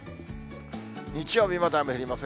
日曜日まで雨降りません。